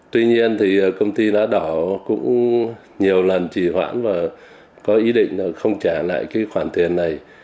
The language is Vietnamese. tuy nhiên thì công ty đã đỏ cũng nhiều lần chỉ hoãn và có ý định là không trả lại cái khoản tiền này